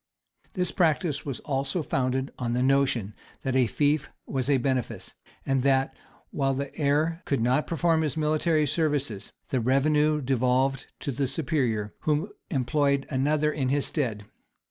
This practice was also founded on the notion that a fief was a benefice, and that, while the heir could not perform his military services, the revenue devolved to the superior, who employed another in his stead.